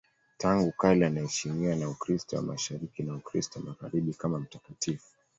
Tangu kale anaheshimiwa na Ukristo wa Mashariki na Ukristo wa Magharibi kama mtakatifu.